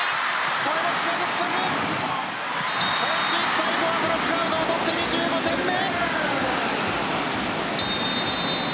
最後はブロックアウトを取って２５点目。